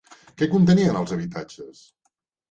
Què contenien els habitatges?